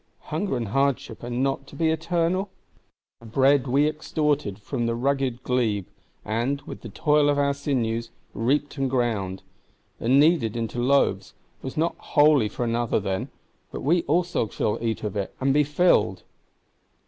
Hunger and hardship are not to be eternal? The bread we extorted from the rugged glebe, and, with the toil of our sinews, reaped and ground, and kneaded into loaves, was not wholly for another, then; but we also shall eat of it, and be filled?